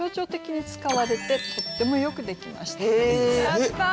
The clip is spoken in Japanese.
やった！